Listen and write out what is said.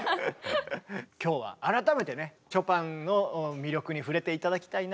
今日は改めてねショパンの魅力に触れて頂きたいなという回を。